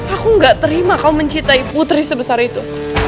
aku gak terima kau mencintai putri sebesar itu